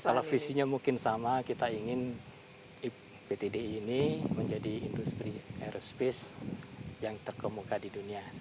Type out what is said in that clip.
kalau visinya mungkin sama kita ingin pt di ini menjadi industri aerospace yang terkemuka di dunia